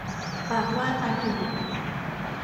ปากว่าตาขยิบ